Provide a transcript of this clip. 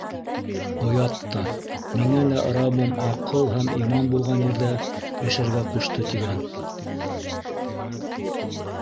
Оят та: «Миңә лә Раббым аҡыл һәм иман булған ерҙә йәшәргә ҡушты!» тигән.